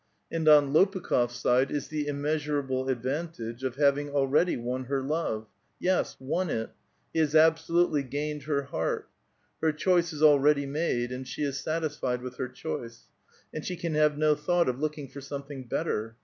—And on Lopukh6f*s side is the immeasurable advantage of iiaving already' won her love ; yes, won it ; he has absolutely ^^ained her heart. Her choice is already made, and she is satisfied with her choice ; and she can have no thought of looking for something better.